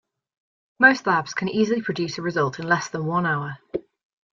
Most labs can easily produce a result in less than one hour.